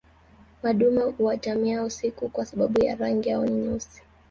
madume huatamia usiku kwa sababu ya rangi yao ni nyeusi